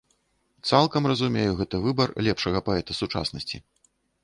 Цалкам разумею гэты выбар лепшага паэта сучаснасці.